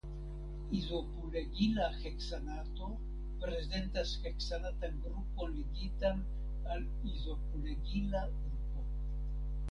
Izopulegila heksanato prezentas heksanatan grupon ligitan al izopulegila grupo.